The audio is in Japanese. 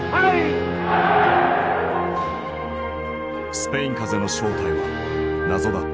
スペイン風邪の正体は謎だった。